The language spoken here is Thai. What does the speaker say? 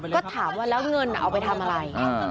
ก็ถามว่าแล้วเงินเอาไปทำอะไร